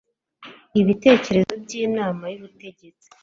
Ibitekerezo by inama y ubutegetsi